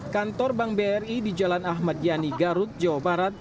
kantor bank bri di jalan ahmad yani garut jawa barat